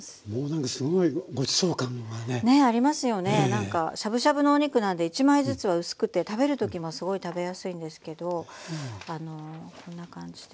何かしゃぶしゃぶのお肉なんで１枚ずつは薄くて食べるときもすごい食べやすいんですけどあのこんな感じで。